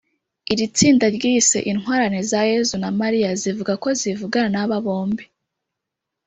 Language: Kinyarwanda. iri tsinda ryiyise intwarane za yezu na maria zivuga ko zivugana n’aba bombi